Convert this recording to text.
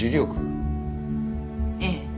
ええ。